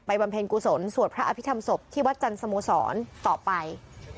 บำเพ็ญกุศลสวดพระอภิษฐรรมศพที่วัดจันทร์สโมสรต่อไป